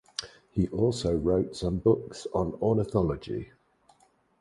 He also wrote some books on ornithology.